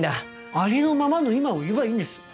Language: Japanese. ありのままの今を言えばいいんです。